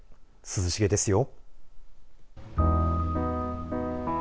涼しげですよ。